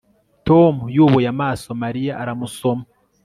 Tom yubuye amaso Mariya aramusoma